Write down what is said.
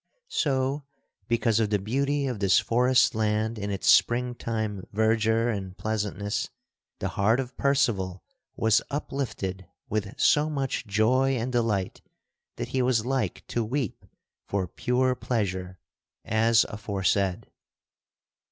So, because of the beauty of this forest land in its spring time verdure and pleasantness, the heart of Percival was uplifted with so much joy and delight that he was like to weep for pure pleasure as aforesaid.